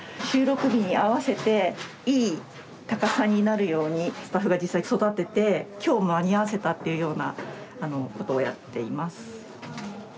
収録日に合わせていい高さになるようにスタッフが実際、育ててきょう間に合わせたというようなことをやっています。